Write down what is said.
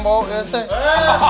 bapak denger aja